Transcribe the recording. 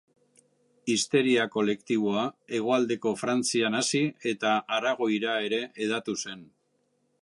Histeria kolektiboa hegoaldeko Frantzian hasi eta Aragoira ere hedatu zen.